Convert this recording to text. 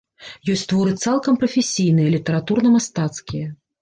Ёсць творы цалкам прафесійныя, літаратурна-мастацкія.